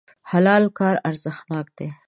د حلال کار ارزښتناک دی.